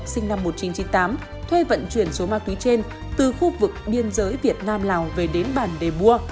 sinh năm một nghìn chín trăm chín mươi tám thuê vận chuyển số ma túy trên từ khu vực biên giới việt nam lào về đến bản đề bua